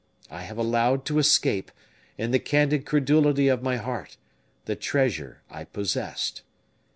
I have allowed to escape, in the candid credulity of my heart, the treasure I possessed.